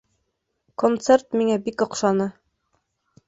Концерт миңә бик оҡшаны